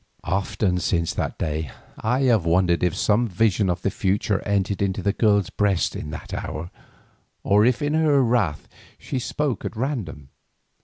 Often since that day I have wondered if some vision of the future entered into the girl's breast in that hour, or if in her wrath she spoke at random.